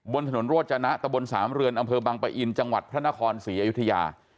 บนถนนโรจนะตะบนสามเรือนอำเภอบังปะอินจังหวัดพระนครศรีอยุธยา